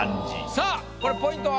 さあこれポイントは？